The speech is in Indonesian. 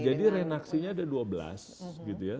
jadi reaksinya ada dua belas gitu ya